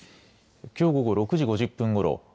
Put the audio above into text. きょう午後６時５０分ごろ